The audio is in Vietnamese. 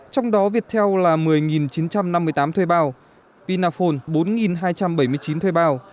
trong đó viettel là một mươi chín trăm năm mươi tám thuê bao vinaphone bốn hai trăm bảy mươi chín thuê bao